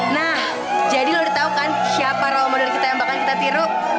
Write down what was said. nah jadi lo udah tau kan siapa role model kita yang bakal kita tiru